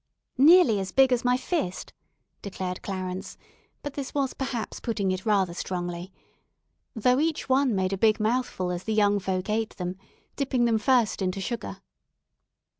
"Nearly as big as my fist," declared Clarence, but this was perhaps putting it rather strongly, though each one made a big mouthful as the young folk ate them, dipping them first into sugar.